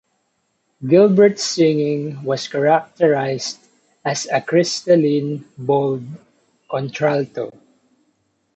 Gilbert's singing was characterized as a crystalline, bold contralto.